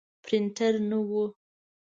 پرنټر نه و.